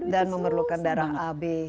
dan memerlukan darah ab